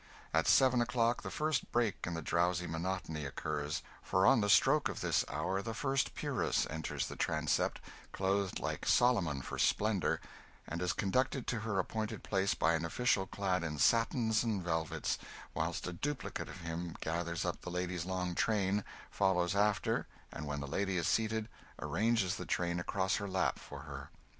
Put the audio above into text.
At seven o'clock the first break in the drowsy monotony occurs; for on the stroke of this hour the first peeress enters the transept, clothed like Solomon for splendour, and is conducted to her appointed place by an official clad in satins and velvets, whilst a duplicate of him gathers up the lady's long train, follows after, and, when the lady is seated, arranges the train across her lap for her.